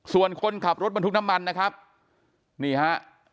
ส่วนคนขับรถบรรทุกน้ำมันนะครับนี่ฮะ